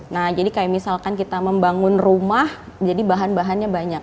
nah jadi kayak misalkan kita membangun rumah jadi bahan bahannya banyak